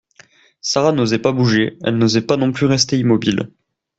Sara n’osait pas bouger, elle n’osait pas non plus rester immobile.